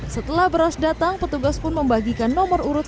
setelah beras datang petugas pun membagikan nomor urut